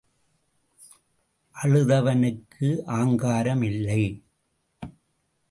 அழுதவனுக்கு ஆங்காரம் இல்லை.